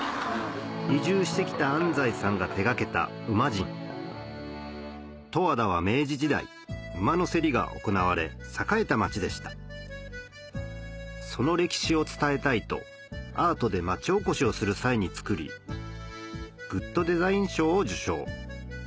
移住してきた安斉さんが手がけたウマジン十和田は明治時代馬の競りが行われ栄えた街でしたその歴史を伝えたいとアートで街おこしをする際に作りグッドデザイン賞を受賞